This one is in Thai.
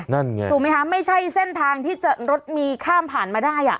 นั่นไงถูกไหมคะไม่ใช่เส้นทางที่จะรถมีข้ามผ่านมาได้อ่ะ